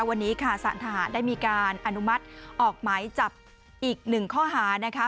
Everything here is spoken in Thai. วันนี้ค่ะสารทหารได้มีการอนุมัติออกหมายจับอีกหนึ่งข้อหานะคะ